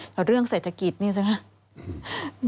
แต่เรื่องเศรษฐกิจนี่สิครับ